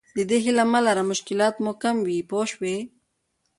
د دې هیله مه لره مشکلات مو کم وي پوه شوې!.